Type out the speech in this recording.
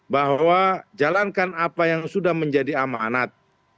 bahwa jalankan apa yang sudah menjadi amanat